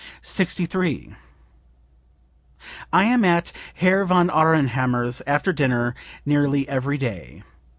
"I am at Herr von Aurnhammer's after dinner nearly every day.